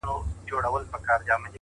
هیله د عمل پرته بې رنګه وي.!